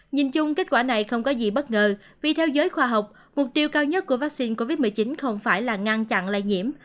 nhìn chung kết quả này không có gì bất ngờ vì theo giới khoa học mục tiêu cao nhất của vaccine covid một mươi chín không phải là ngăn chặn lây nhiễm